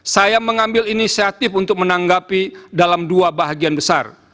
saya mengambil inisiatif untuk menanggapi dalam dua bahagian besar